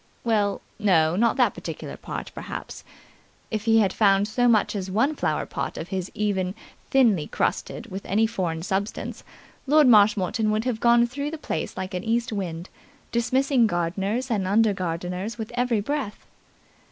Well, no, not that particular part, perhaps. If he had found so much as one flower pot of his even thinly crusted with any foreign substance, Lord Marshmoreton would have gone through the place like an east wind, dismissing gardeners and under gardeners with every breath.